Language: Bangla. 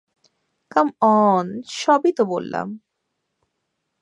কাম অন, সবই তো বললাম।